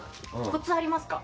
コツはありますか？